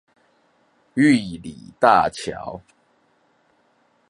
玉里大橋